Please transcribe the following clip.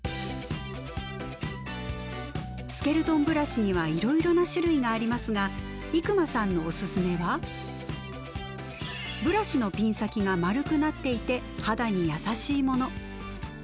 スケルトンブラシにはいろいろな種類がありますが伊熊さんのおすすめはブラシのピン先が丸くなっていて肌に優しいもの。